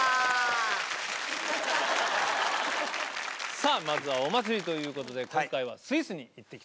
さぁまずは「お祭り」ということで今回はスイスに行ってきたということで。